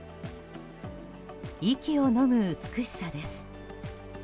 息をのむ美しさです。